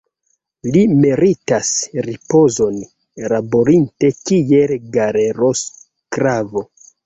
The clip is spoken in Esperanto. Li meritas ripozon, laborinte kiel galerosklavo.